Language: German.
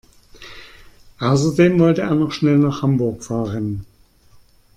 Außerdem wollte er noch schnell nach Hamburg fahren